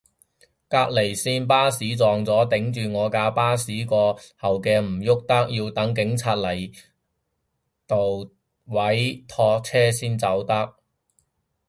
隔離線巴士撞咗，頂住我架巴士個倒後鏡唔郁得，要等警察嚟度位拖車先走得